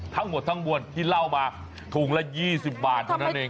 ทั้งหมดทั้งมวลที่เล่ามาถุงละ๒๐บาทเท่านั้นเอง